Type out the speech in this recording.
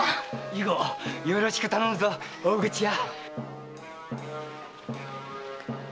以後よろしく頼むぞ大口屋。